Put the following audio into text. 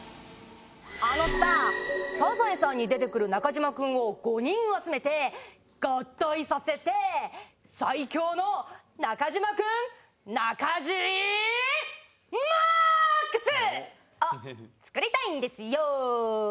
あのさ『サザエさん』に出てくる中島君を５人集めて合体させて最強の中島君ナカジマーックス！を作りたいんですよ。